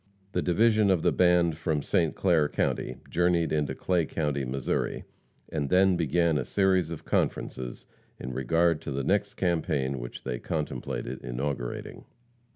The division of the band from St. Clair county, journeyed into Clay county, Missouri, and then began a series of conferences in regard to the next campaign which they contemplated inaugurating.